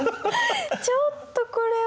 ちょっとこれは。